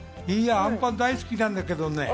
あんパン大好きなんだけどね。